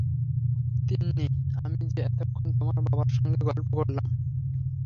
তিন্নি, আমি যে এতক্ষণ তোমার বাবার সঙ্গে গল্প করলাম।